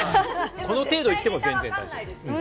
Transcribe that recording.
この程度、言っても全然大丈夫。